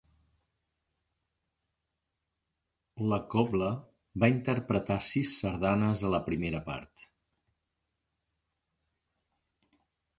La cobla va interpretar sis sardanes a la primera part.